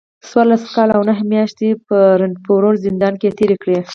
څلور کاله او نهه مياشتې په رنتنبور زندان کې تېرې کړي